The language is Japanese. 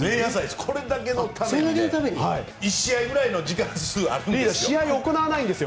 これだけのために１試合ぐらいの時間数があるんですよ。